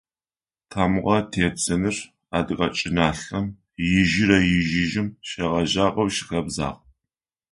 Тамыгъэ тедзэныр адыгэ чӏыналъэм ижърэ-ижъыжьым щегъэжьагъэу щыхэбзагъ.